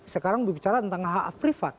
sekarang berbicara tentang hak hak privat